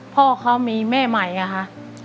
พ่อเขามีแม่ใหม่อะค่ะ